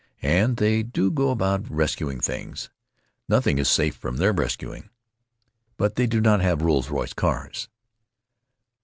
And they do go about rescuing things. Nothing is safe from their rescuing. But they do not have Rolls Royce cars.